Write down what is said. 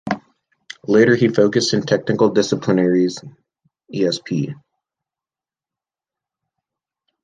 Later he focused in technical disciplines, esp.